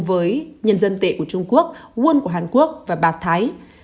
với nhân dân tệ của trung quốc world của hàn quốc và bạc thái